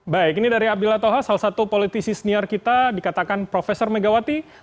baik ini dari abdillah toha salah satu politisi senior kita dikatakan profesor megawati